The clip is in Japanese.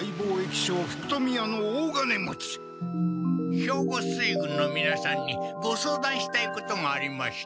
兵庫水軍のみなさんにご相談したいことがありまして。